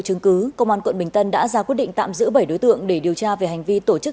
chứng cứ công an quận bình tân đã ra quyết định tạm giữ bảy đối tượng để điều tra về hành vi tổ chức